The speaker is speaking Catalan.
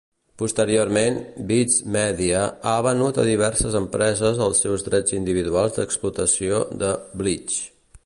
Posteriorment, Viz Media ha venut a diverses empreses els seus drets individuals d'explotació de "Bleach".